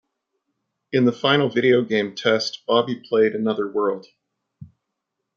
In the final video game test, Bobby played "Another World".